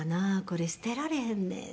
これ捨てられへんねん」